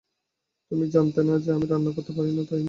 তুমি জানতে না যে আমি রান্না করতে পারি, তাই না?